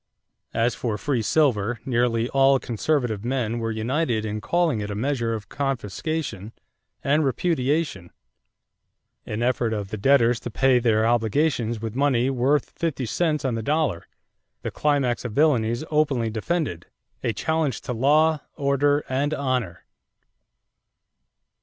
As for free silver, nearly all conservative men were united in calling it a measure of confiscation and repudiation; an effort of the debtors to pay their obligations with money worth fifty cents on the dollar; the climax of villainies openly defended; a challenge to law, order, and honor.